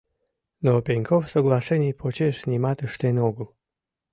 Но Пеньков соглашений почеш нимат ыштен огыл.